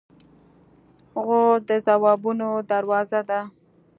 غول د ځوابونو دروازه ده.